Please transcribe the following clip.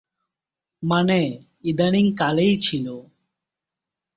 মানে, ইদানীং কালেই ছিল।